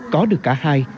có được cả hai